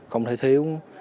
không thể thiếu